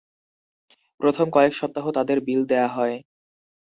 প্রথম কয়েক সপ্তাহ তাদের বিল দেয়া হয়।